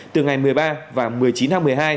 từ ngày một mươi ba và một mươi chín tháng một mươi hai